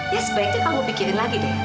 ya sebaiknya kamu pikirin lagi deh